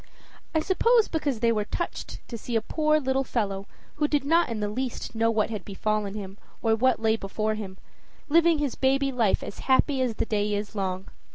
I suppose because they were touched to see a poor little fellow who did not in the least know what had befallen him or what lay before him, living his baby life as happy as the day is long.